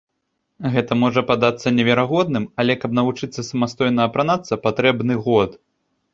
Гэта можа падацца неверагодным, але каб навучыцца самастойна апранацца, патрэбны год.